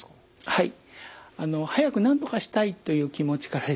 はい。